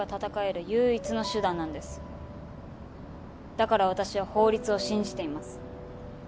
だから私は法律を信じています。